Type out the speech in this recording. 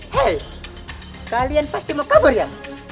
hei kalian pasti mau kabur ya